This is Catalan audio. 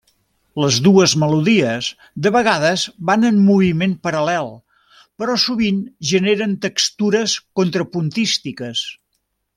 Les dues melodies de vegades van en moviment paral·lel, però sovint generen textures contrapuntístiques.